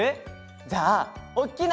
じゃあおっきな